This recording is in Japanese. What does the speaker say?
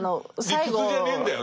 理屈じゃねえんだよっていう。